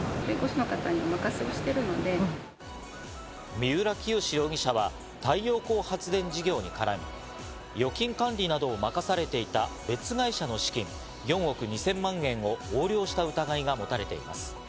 三浦清志容疑者は太陽光発電事業に絡み、預金管理などを任されていた別会社の資金、４億２０００万円を横領した疑いが持たれています。